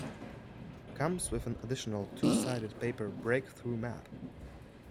Comes with an additional two-sided paper breakthrough map.